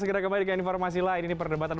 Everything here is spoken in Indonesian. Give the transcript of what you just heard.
segera kembali dengan informasi lain ini perdebatan